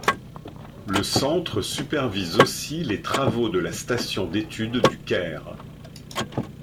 Le centre supervise aussi les travaux de la station d’études du Caire.